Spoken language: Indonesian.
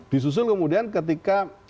disusul kemudian ketika